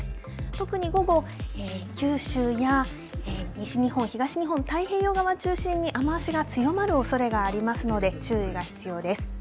特に午後、九州や西日本、東日本太平洋側を中心に雨足が強まるおそれがありますので注意が必要です。